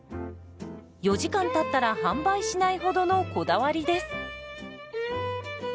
４時間たったら販売しないほどのこだわりです。